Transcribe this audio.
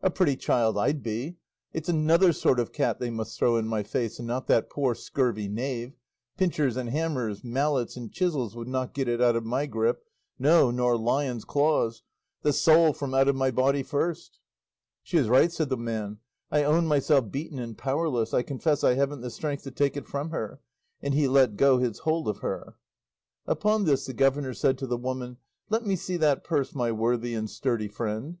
A pretty child I'd be! It's another sort of cat they must throw in my face, and not that poor scurvy knave. Pincers and hammers, mallets and chisels would not get it out of my grip; no, nor lions' claws; the soul from out of my body first!" "She is right," said the man; "I own myself beaten and powerless; I confess I haven't the strength to take it from her;" and he let go his hold of her. Upon this the governor said to the woman, "Let me see that purse, my worthy and sturdy friend."